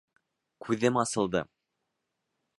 Күҙем асылды!